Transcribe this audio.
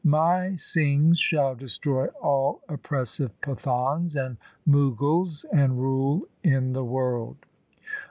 My Singhs shall destroy all oppressive Pathans and Mughals, and rule in the world.'